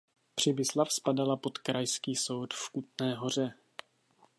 Přibyslav spadala pod Krajský soud v Kutné Hoře.